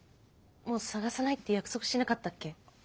もう捜さないって約束しなかったっけ？